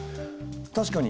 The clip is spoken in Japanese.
確かに。